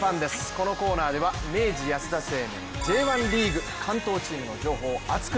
このコーナーでは明治安田生命Ｊ１リーグ関東チームの情報を熱く！